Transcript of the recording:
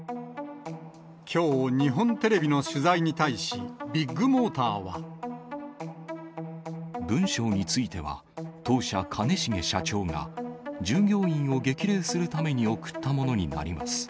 きょう、日本テレビの取材に対し、文章については、当社、兼重社長が、従業員を激励するために送ったものになります。